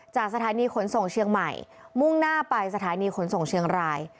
จากสถานีขนส่งเชียงใหม่มุ่งหน้าไปสถานีขนส่งเชียงราย